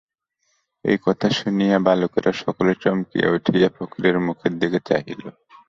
এই কথা শুনিয়া বালকেরা সকলে চমকিয়া উঠিয়া ফকিরের মুখের দিকে চাহিল।